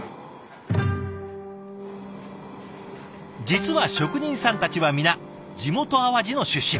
実は職人さんたちは皆地元淡路の出身。